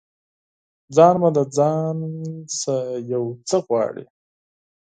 ځان مې د ځان څخه یو څه غواړي